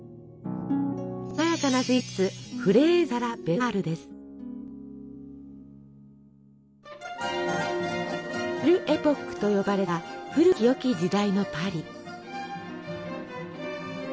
華やかなスイーツ「ベル・エポック」と呼ばれた古き良き時代のパリ。